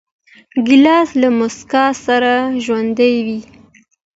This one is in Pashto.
ګیلاس له موسکا سره ژوندی وي.